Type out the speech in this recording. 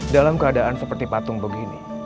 dalam keadaan seperti patung begini